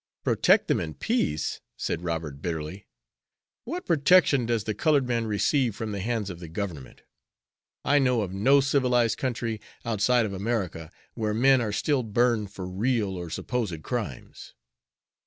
"Protect them in peace!" said Robert, bitterly. "What protection does the colored man receive from the hands of the Government? I know of no civilized country outside of America where men are still burned for real or supposed crimes."